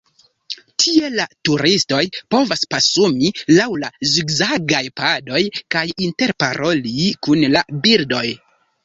Tie la turistoj povas pasumi lau la zigzagaj padoj kaj interparoli kun la birdoj.